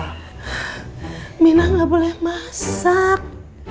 hm mina gak boleh masak